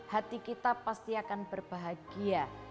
hati kita pasti akan berbahagia